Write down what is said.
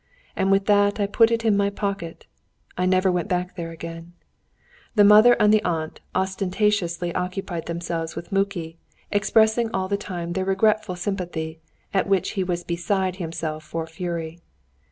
And with that I put it in my pocket. I never went back there again. The mother and the aunt ostentatiously occupied themselves with Muki, expressing all the time their regretful sympathy, at which he was beside himself for fury.